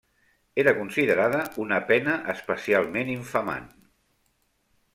Era considerada una pena especialment infamant.